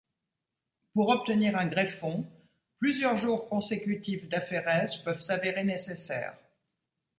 Pour obtenir un greffon, plusieurs jours consécutifs d'aphérèse peuvent s'avérer nécessaires.